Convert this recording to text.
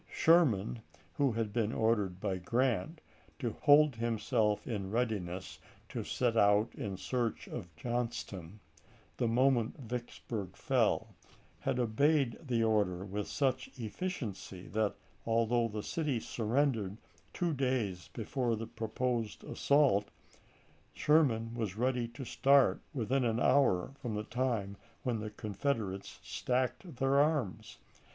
Sherman, who had been ordered by Grant to hold himself in readiness to set out in search of Johnston, the moment Vicksburg fell, had obeyed the order with such efficiency that, although the city surrendered two days before the proposed as sault, Sherman was ready to start within an hour from the time when the Confederates stacked their arms.